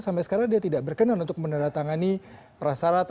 sampai sekarang dia tidak berkenan untuk menandatangani prasarat